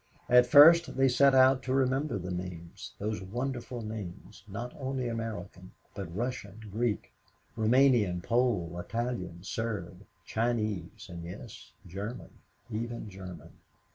At first they set out to remember the names, those wonderful names, not only American, but Russian, Greek, Rumanian, Pole, Italian, Serb, Chinese and yes, German even German.